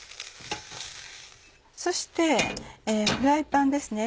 そしてフライパンですね。